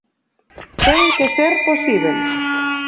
Ten que ser posíbel.